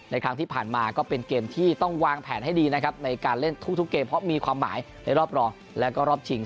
ครั้งที่ผ่านมาก็เป็นเกมที่ต้องวางแผนให้ดีนะครับในการเล่นทุกเกมเพราะมีความหมายในรอบรองแล้วก็รอบชิง